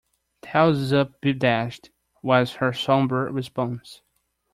"Tails up be dashed," was her sombre response.